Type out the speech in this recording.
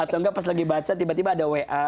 atau enggak pas lagi baca tiba tiba ada wa